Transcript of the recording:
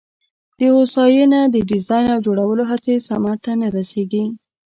د هوساینه د ډیزاین او جوړولو هڅې ثمر ته نه رسېږي.